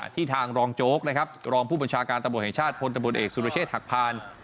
ทางรองโจ๊กนะครับรองผู้บัญชาการตำรวจแห่งชาติพลตำรวจเอกสุรเชษฐหักพาน